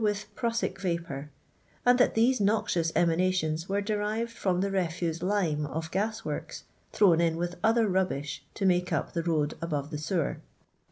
i prussic vapour, and that these noxious emanatioos were derived from the refuse lime of gas works thrown in with other rubbish to make up the road above the sewer.